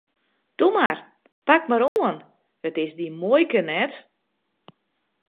Toe mar, pak mar oan, it is dyn muoike net!